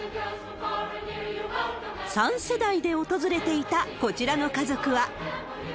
３世代で訪れていたこちらの家族は。